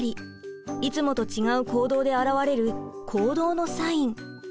いつもと違う行動で表れる行動のサイン。